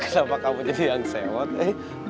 siapa kamu jadi yang sewot eh